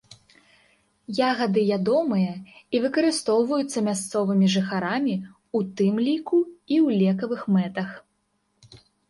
Ягады ядомыя і выкарыстоўваюцца мясцовымі жыхарамі, у тым ліку і ў лекавых мэтах.